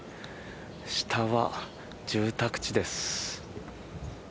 下は住宅地です。